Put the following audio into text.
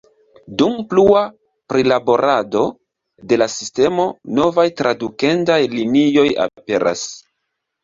Dum plua prilaborado de la sistemo, novaj tradukendaj linioj aperas.